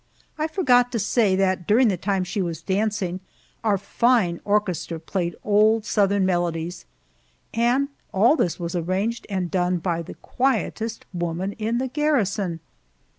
I forgot to say that during the time she was dancing our fine orchestra played old Southern melodies. And all this was arranged and done by the quietest woman in the garrison!